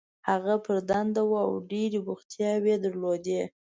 هغه پر دنده وه او ډېرې بوختیاوې یې درلودې.